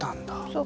そう。